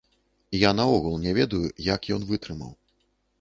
Я наогул не ведаю, як ён вытрымаў.